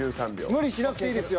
無理しなくていいですよ。